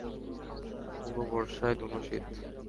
ঊনো বর্ষায় দুনো শীত।